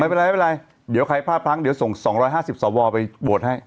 ไม่เป็นไรเดี๋ยวใครพลาดพังเดี๋ยวส่ง๒๕๐สวไปโหวตให้